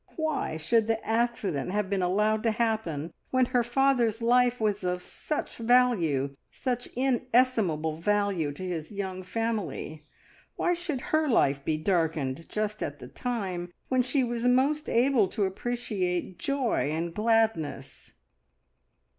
Why should the accident have been allowed to happen when her father's life was of such value such inestimable value to his young family? Why should her life be darkened just at the time when she was most able to appreciate joy and gladness?